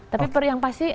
tapi yang pasti